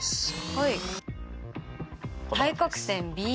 はい。